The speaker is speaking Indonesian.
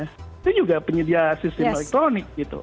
itu juga penyedia sistem elektronik gitu